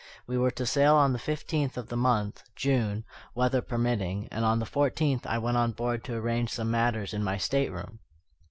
We were to sail on the fifteenth of the month (June), weather permitting; and on the fourteenth I went on board to arrange some matters in my stateroom.